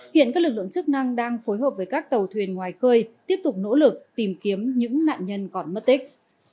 hiện các lực lượng chức năng đang phối hợp với các tàu thuyền ngoài cơi tiếp tục nỗ lực tìm kiếm những nạn nhân còn mất tích